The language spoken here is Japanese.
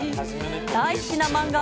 大好きな漫画。